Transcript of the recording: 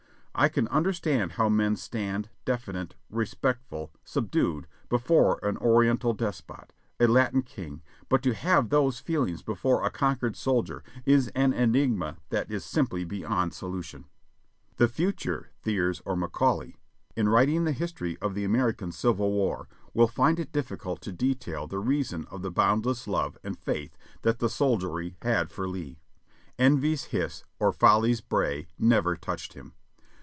I can understand how men stand, diffident, respectful, subdued be fore an Oriental despot, a Latin king, but to have those feelings before a conquered soldier is an enigma that is simply beyond so lution. The future Thiers or Macaulay, in writing the history of the American Civil War, will find it difficult to detail the reason of the boundless love and faith that the soldiery had for Lee. Envy's hiss or Folly's bray never touched him.